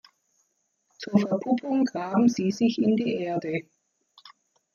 Zur Verpuppung graben sie sich in die Erde.